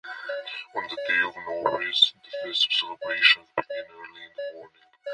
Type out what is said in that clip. On the day of Nauryz, the festive celebrations begin early in the morning.